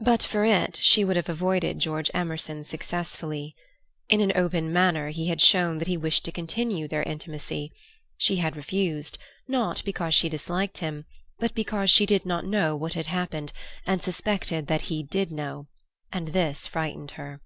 But for it she would have avoided George Emerson successfully. In an open manner he had shown that he wished to continue their intimacy. She had refused, not because she disliked him, but because she did not know what had happened, and suspected that he did know. And this frightened her.